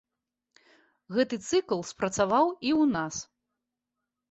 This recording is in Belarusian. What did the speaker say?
Гэты цыкл спрацаваў і ў нас.